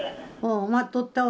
待っとったわ。